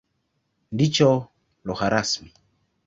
Ndicho lugha rasmi.